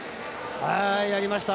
やりました。